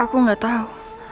aku gak tau